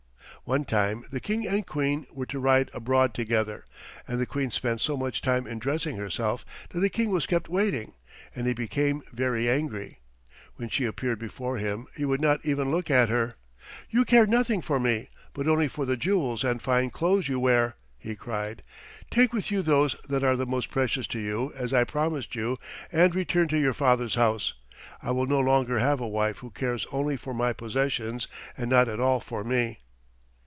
One time the King and Queen were to ride abroad together, and the Queen spent so much time in dressing herself that the King was kept waiting, and he became very angry. When she appeared before him, he would not even look at her. "You care nothing for me, but only for the jewels and fine clothes you wear," he cried. "Take with you those that are the most precious to you, as I promised you, and return to your father's house. I will no longer have a wife who cares only for my possessions and not at all for me."